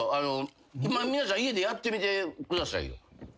皆さん家でやってみてくださいよ。